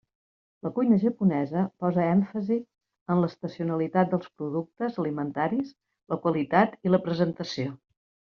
La cuina japonesa posa èmfasi en l'estacionalitat dels productes alimentaris, la qualitat i la presentació.